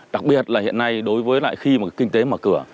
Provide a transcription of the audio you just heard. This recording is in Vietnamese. đặc biệt là hiện nay đối với lại khi mà kinh tế mở cửa